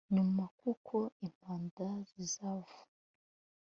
nyuma Kuko impanda z izavu